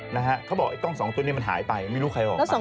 นักโดนตรีถ่ายจริง